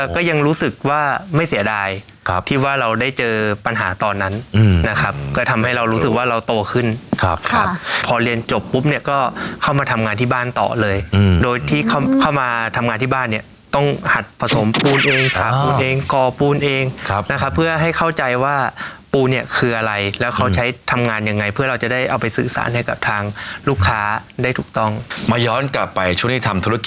ก็ยังรู้สึกว่าไม่เสียดายที่ว่าเราได้เจอปัญหาตอนนั้นนะครับก็ทำให้เรารู้สึกว่าเราโตขึ้นครับครับพอเรียนจบปุ๊บเนี่ยก็เข้ามาทำงานที่บ้านต่อเลยโดยที่เข้ามาทำงานที่บ้านเนี่ยต้องหัดผสมปูนเองสาปูนเองก่อปูนเองนะครับเพื่อให้เข้าใจว่าปูเนี่ยคืออะไรแล้วเขาใช้ทำงานยังไงเพื่อเราจะได้เอาไปซื้อสารให้กับทางลูกค้าได้ถูกต้องมาย้อนกลับไปช่วงที่ทำธุรกิจ